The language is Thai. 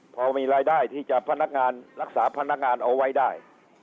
พอมีรายได้ที่จะพนักงานรักษาพนักงานเอาไว้ได้